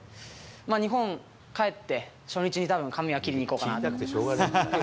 まあ、日本帰って、初日にたぶん、髪は切りに行こうかなと思ってます。